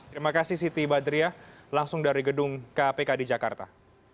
terima kasih siti badriah langsung dari gedung kpk di jakarta